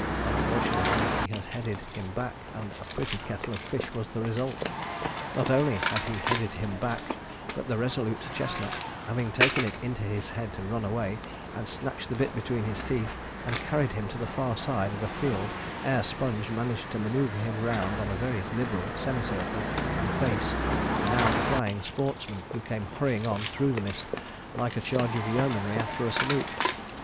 Unfortunately, he had headed him back, and a pretty kettle of fish was the result. Not only had he headed him back, but the resolute chestnut, having taken it into his head to run away, had snatched the bit between his teeth; and carried him to the far side of a field ere Sponge managed to manoere him round on a very liberal semi circle, and face the now flying sportsmen, who came hurrying on through the mist like a charge of yeomanry after a salute.